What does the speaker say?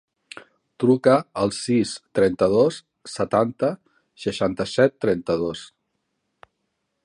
Truca al sis, trenta-dos, setanta, seixanta-set, trenta-dos.